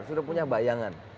sudah punya bayangan